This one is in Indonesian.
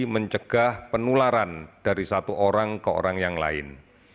mencegah penularan dari satu orang ke orang yang lain